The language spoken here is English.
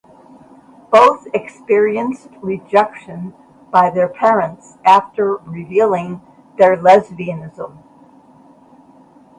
Both experienced rejection by their parents after revealing their lesbianism.